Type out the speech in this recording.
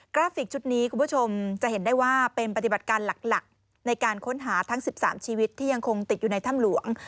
ราฟิกชุดนี้คุณผู้ชมจะเห็นได้ว่าเป็นปฏิบัติการหลักในการค้นหาทั้ง๑๓ชีวิตที่ยังคงติดอยู่ในถ้ำหลวง